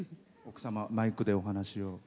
奥様、マイクでお話を。